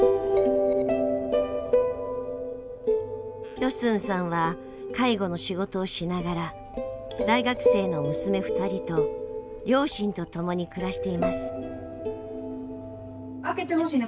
ヨスンさんは介護の仕事をしながら大学生の娘２人と両親とともに暮らしています。